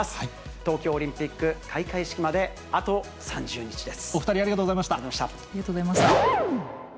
東京オリンピック開会式まであと３０日です。